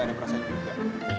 gak ada perasaan juga